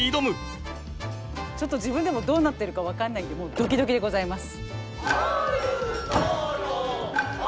ちょっと自分でもどうなってるか分かんないんでもうドキドキでございます。